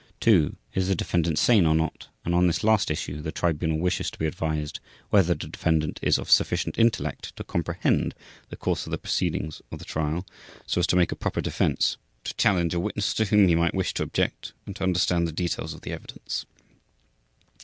2. Is the defendant sane or not, and on this last issue the Tribunal wishes to be advised whether the defendant is of sufficient intellect to comprehend the course of the proceedings of the Trial so as to make a proper defense, to challenge a witness to whom he might wish to object and to understand the details of the evidence.